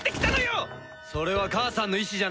それは母さんの意志じゃない！